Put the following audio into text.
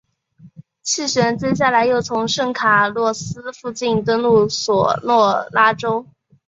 气旋接下来又从圣卡洛斯附近登陆索诺拉州。